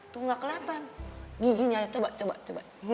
tuh ga keliatan giginya coba coba